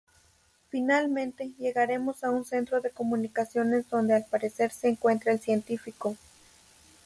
Finalmente, llegaremos a un centro de comunicaciones donde al parecer se encuentra el científico.